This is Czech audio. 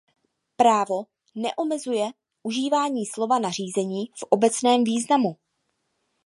Právo neomezuje užívání slova „nařízení“ v obecném významu.